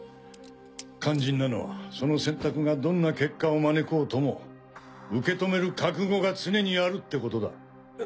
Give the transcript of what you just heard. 肝心なのはその選択がどんな結果を招こうとも受け止める覚悟が常にあるってことだ。